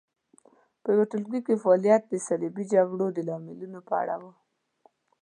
په ټولګي کې فعالیت د صلیبي جګړو د لاملونو په اړه و.